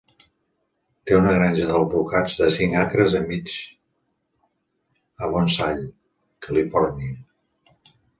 Té una granja d'alvocats de cinc acres i mig a Bonsall, Califòrnia.